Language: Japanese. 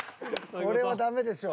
これはダメでしょう。